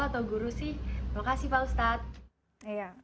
atau guru sih terima kasih pak ustadz